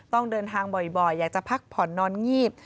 ต้องเดินทางบ่อยอยากจะพักผ่อนนอนงีบ